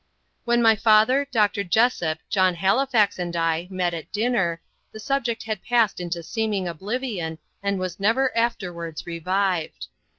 When my father, Dr. Jessop, John Halifax, and I, met at dinner, the subject had passed into seeming oblivion, and was never afterwards revived.